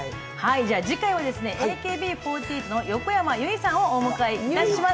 次回はＡＫＢ４８の横山由依さんをお迎えします。